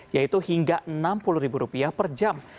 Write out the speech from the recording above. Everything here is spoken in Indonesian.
yaitu hingga rp enam puluh per jam